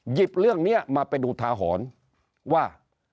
หยิบเรื่องนี้มาไปดูทาหอนว่า